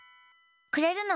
くれるの？